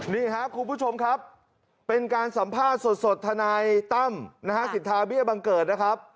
นี่ครับคุณผู้ชมครับเป็นการสัมภาษณ์สดทนายตั้มนะฮะสิทธาเบี้ยบังเกิดนะครับ